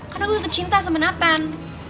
karena gue tetep cinta sama nathan